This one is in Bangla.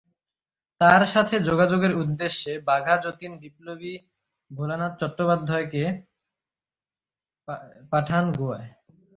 তার সাথে যোগাযোগের উদ্দেশ্যে বাঘা যতীন বিপ্লবী ভোলানাথ চট্টোপাধ্যায় কে পাঠান গোয়ায়।